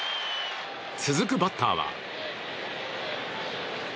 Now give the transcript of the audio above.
続くバッターは。